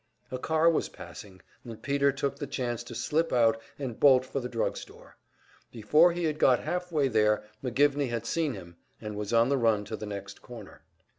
A car was passing, and Peter took the chance to slip out and bolt for the drug store. Before he had got half way there McGivney had seen him, and was on the run to the next corner.